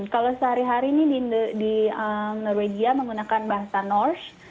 kalau sehari hari nih di noragia menggunakan bahasa norse